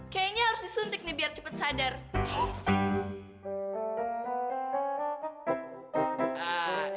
kayaknya harus disuntik nih biar cepat sadar